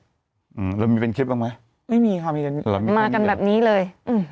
เออแล้วมีเป็นคลิปได้มั้ยไม่มีค่ะมากันแบบนี้เลย